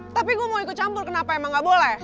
tapi gue mau ikut campur kenapa emang gak boleh